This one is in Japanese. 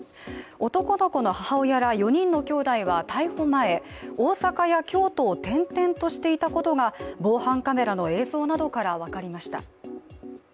男の子の母親ら４人のきょうだいは逮捕前、大阪や京都を転々としていたことが防犯カメラの映像などから分かりました。